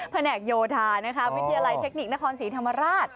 แผนกโยธานะคะวิทยาลัยเทคนิคนครศรีธรรมราช